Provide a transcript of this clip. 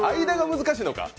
間が難しいのか。